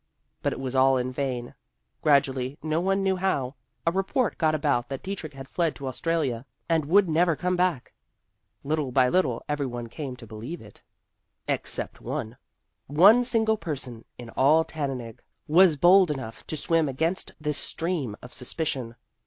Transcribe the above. But it was all in vain. Gradually, no one knew how, a report got about that Dietrich had fled to Australia, and would never come back. Little by little every one came to believe it. Except one. One single person in all Tannenegg was bold enough to swim against this stream of suspicion.